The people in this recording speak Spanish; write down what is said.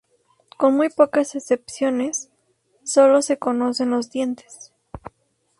Con muy pocas excepciones, solo se conocen los dientes.